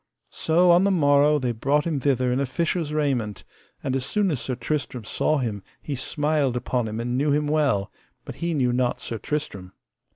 So on the morrow they brought him thither in a fisher's raiment; and as soon as Sir Tristram saw him he smiled upon him and knew him well, but he knew not Sir Tristram.